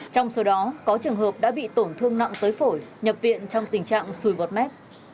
trong số đó có trường hợp đã bị tổn thương nặng tới phổi nhập viện trong tình trạng sùi bọt mép